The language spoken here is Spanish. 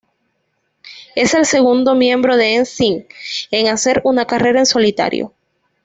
Es el segundo miembro de 'N Sync en hacer una carrera en solitario.